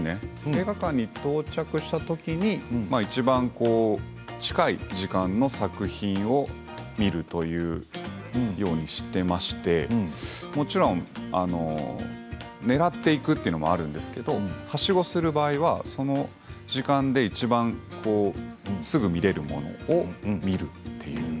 映画館に到着したときにいちばん近い時間の作品を見るというようにしていましてもちろん、ねらっていくというのもあるんですけれどはしごする場合はその時間でいちばんすぐ見られるものを見るという。